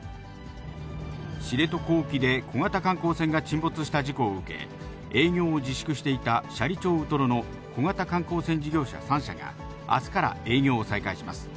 知床沖で小型観光船が沈没した事故を受け、営業を自粛していた斜里町ウトロの小型観光船事業者３社が、あすから営業を再開します。